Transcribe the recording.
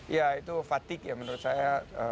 ya itu fatigue ya menurut saya